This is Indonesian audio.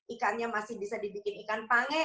ikannya masih bisa dibikin ikan pange